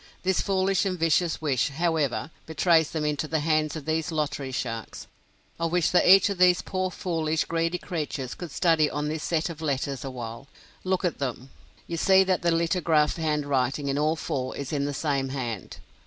This foolish and vicious wish, however, betrays them into the hands of these lottery sharks. I wish that each of these poor foolish, greedy creatures could study on this set of letters awhile. Look at them. You see that the lithographed handwriting in all four is in the same hand.